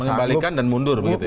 mengembalikan dan mundur begitu ya